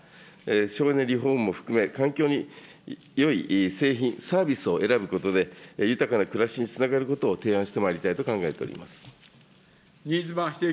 省エネ、リフォームを含め、環境によい製品、サービスを選ぶことで、豊かな暮らしにつながることを提案してまいりたいと考えております。